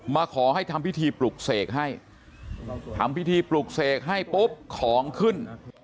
มาขอให้ทำพิธีปลุกเสกให้ทำพิธีปลุกเสกให้ปุ๊บของขึ้น